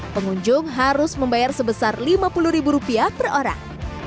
pengunjung harus membayar sebesar rp lima puluh per orang